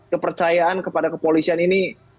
kepercayaan kepada kepolisian ini